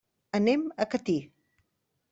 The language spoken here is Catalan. Anem a Catí.